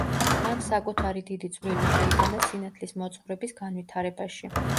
მან საკუთარი დიდი წვლილი შეიტანა სინათლის მოძღვრების განვითარებაში.